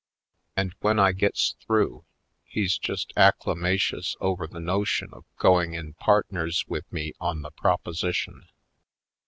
And when I gets through he's just acclamatious over the no tion of going in partners with me on the proposition.